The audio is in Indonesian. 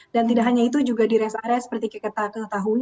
dan tidak hanya itu juga di res area seperti kita ketahui